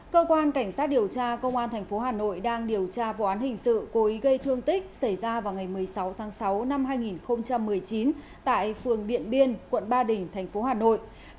cơ quan cảnh sát điều tra công an tp hà nội đang điều tra vụ án hình sự cố ý gây thương tích xảy ra vào ngày một mươi sáu tháng sáu năm hai nghìn một mươi chín tại phường điện biên quận ba đình thành phố hà nội